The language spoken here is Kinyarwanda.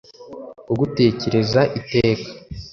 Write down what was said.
kugutekereza iteka